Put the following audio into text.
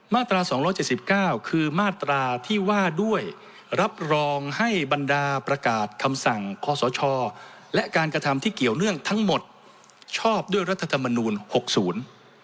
มาตรา๒๗๙คือมาตราที่ว่าด้วยรับรองให้บรรดาประกาศคำสั่งข้อสอช่อและการกระทำที่เกี่ยวเนื่องทั้งหมดชอบด้วยรัฐธรรมนูล๖๐